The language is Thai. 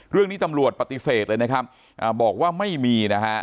เรื่องนี้ตำรวจปฏิเสธเลยนะครับบอกว่าไม่มีนะฮะ